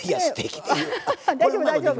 大丈夫大丈夫。